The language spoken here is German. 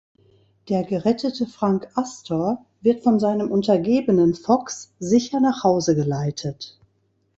Der gerettete Frank Astor wird von seinem Untergebenen Fox sicher nach Hause geleitet.